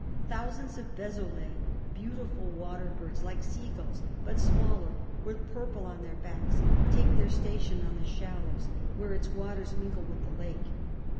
Thousands of besolets, beautiful water birds, like sea gulls, but smaller, with purple on their backs, take their station on the shallows, where its waters mingle with the lake.